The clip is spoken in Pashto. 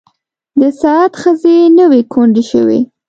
د سعد ښځې نه وې کونډې شوې.